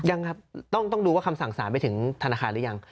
ยังครับต้องดูว่าคำสั่งสารไปถึงธนาคารหรือยัง